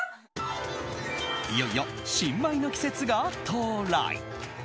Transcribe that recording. いよいよ新米の季節が到来。